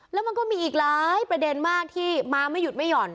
แล้วมันก็มีอีกหลายประเด็นมากที่มาไม่หยุดไม่หย่อน